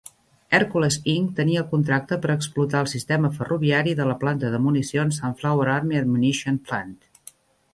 Hercules, Inc. tenia el contracte per explotar el sistema ferroviari de la planta de municions "Sunflower Army Ammunition Plant".